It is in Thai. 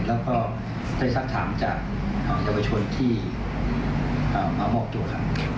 แล้วก็ได้สักถามจากเยาวชนที่มามอบตัวครับ